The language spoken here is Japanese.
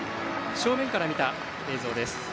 正面から見た映像です。